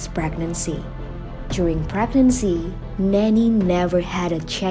pada kelahiran kelahiran nanny tidak pernah mencari